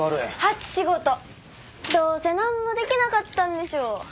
初仕事どうせ何もできなかったんでしょ。